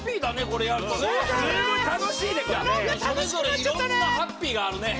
それぞれいろんなハッピーがあるね。